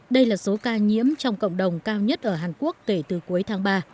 đây là số ca nhiễm trong cộng đồng cao nhất ở hàn quốc kể từ cuối tháng ba